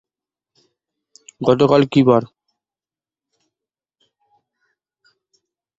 গতকাল কি বার?